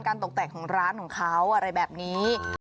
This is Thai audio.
ตกแต่งของร้านของเขาอะไรแบบนี้